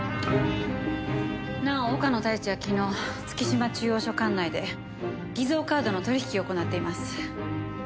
なお岡野太一は昨日月島中央署管内で偽造カードの取引を行っています。